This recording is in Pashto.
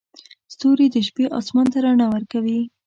ستوري د شپې اسمان ته رڼا ورکوي.